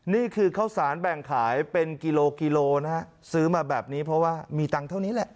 นี่คือข้าวสารแบ่งขายเป็นกิโลกิโลนะฮะซื้อมาแบบนี้เพราะว่ามีตังค์เท่านี้แหละ